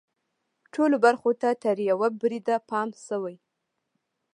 ټولو برخو ته تر یوه بریده پام شوی.